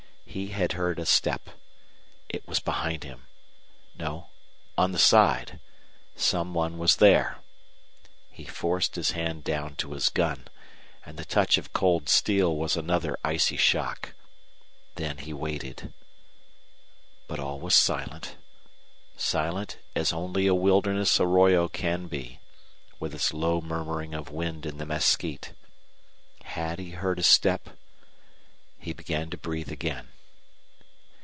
He had heard a step. It was behind him no on the side. Some one was there. He forced his hand down to his gun, and the touch of cold steel was another icy shock. Then he waited. But all was silent silent as only a wilderness arroyo can be, with its low murmuring of wind in the mesquite. Had he heard a step? He began to breathe again.